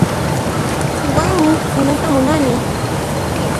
Qanwanmi rimayta munani